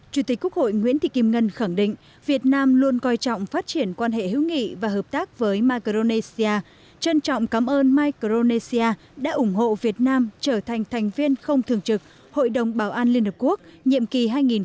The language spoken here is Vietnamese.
chủ tịch quốc hội nguyễn thị kim ngân khẳng định việt nam luôn coi trọng phát triển quan hệ hữu nghị và hợp tác với micronesia trân trọng cảm ơn micronesia đã ủng hộ việt nam trở thành thành viên không thường trực hội đồng bảo an liên hợp quốc nhiệm kỳ hai nghìn tám hai nghìn chín